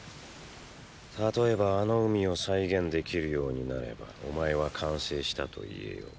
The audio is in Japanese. たとえばあの海を再現できるようになればお前は完成したと言えよう。